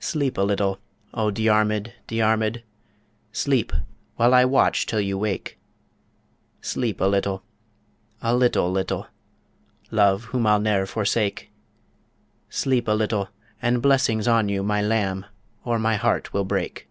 Sleep a little, O Diarmid, Diarmid, Sleep, while I watch till you wake; Sleep a little a little little, Love whom I'll ne'er forsake Sleep a little, and blessings on you My lamb, or my heart will break.